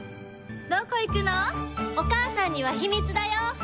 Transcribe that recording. お母さんには秘密だよ！